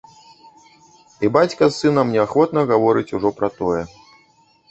І бацька з сынам неахвотна гаворыць ужо пра тое.